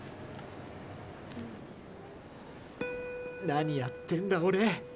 何やってんだ俺。